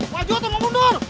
wajul atau mau mundur